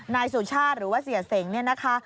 นายสุชาติหรือว่าเสียเสงเนี่ยนะคะ